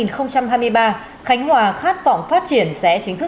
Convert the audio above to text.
khánh hòa khát vọng phát triển sẽ chính thức